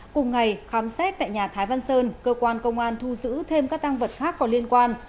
cùng ngày khám xét tại nhà thái văn sơn cơ quan công an thu giữ thêm các tăng vật khác có liên quan